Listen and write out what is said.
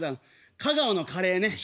香川のカレーね。